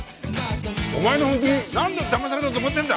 お前の本気に何度だまされたと思ってるんだ！